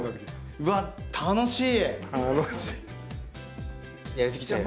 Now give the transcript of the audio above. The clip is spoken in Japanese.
うわっ楽しい！